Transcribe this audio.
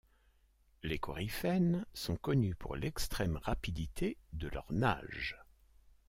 Les coryphènes sont connus pour l'extrême rapidité de leur nage.